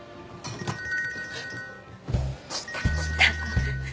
あっ。